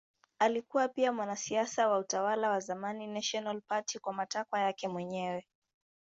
Alikuwa pia mwanasiasa wa utawala wa zamani National Party kwa matakwa yake mwenyewe.